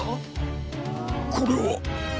これは。